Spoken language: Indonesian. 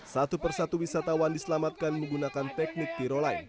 satu persatu wisatawan diselamatkan menggunakan teknik tiroline